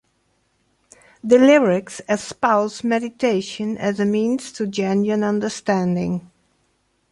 The lyrics espouse meditation as a means to genuine understanding.